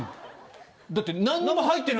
だって。